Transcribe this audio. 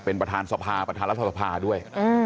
เป็นประธานรัฐภาพด้วย